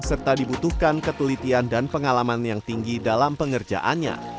serta dibutuhkan ketelitian dan pengalaman yang tinggi dalam pengerjaannya